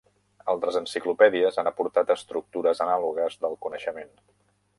Altres enciclopèdies han aportat estructures anàlogues del coneixement.